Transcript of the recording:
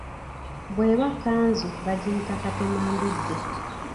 Bw'eba kkanzu bagiyita katemambidde.